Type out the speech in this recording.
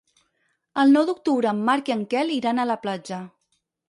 El nou d'octubre en Marc i en Quel iran a la platja.